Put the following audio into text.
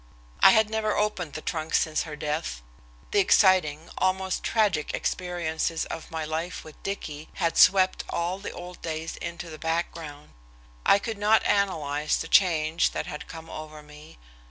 I had never opened the trunk since her death. The exciting, almost tragic experiences of my life with Dicky had swept all the old days into the background. I could not analyze the change that had come over me.